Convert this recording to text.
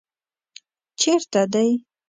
چېرته دی؟